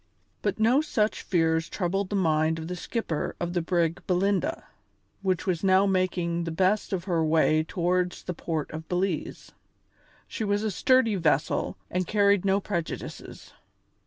But no such fears troubled the mind of the skipper of the brig Belinda, which was now making the best of her way towards the port of Belize. She was a sturdy vessel and carried no prejudices.